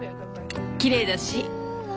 きれいだし。